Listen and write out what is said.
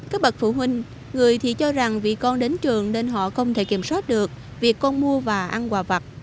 các bậc phụ huynh người thì cho rằng vì con đến trường nên họ không thể kiểm soát được việc con mua và ăn quà vặt